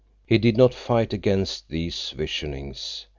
He did not fight against these visionings.